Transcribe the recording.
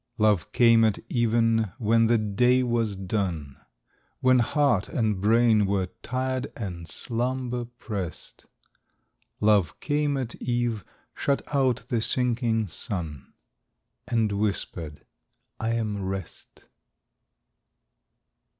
Love came at even when the day was done, When heart and brain were tired, and slumber pressed; Love came at eve, shut out the sinking sun, And whispered, "I am rest."